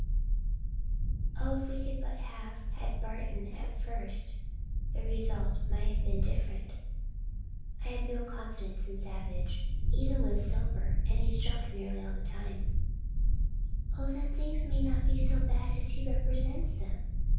Oh if we could but have had Barton at first the result might have been different. I have no confidence in Savage, even when sober, and he's drunk nearly all the time now." "Oh then things may not be so bad as he represents them.